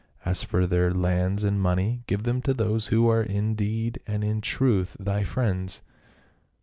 As for their lands and moneys, give them to those who are in deed and in truth thy friends."